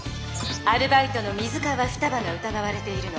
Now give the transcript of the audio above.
アルバイトの水川ふたばがうたがわれているの。